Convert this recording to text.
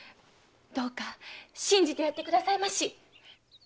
どうか信じてやってくださいまし。